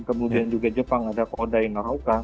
kemudian juga jepang ada kodai noroka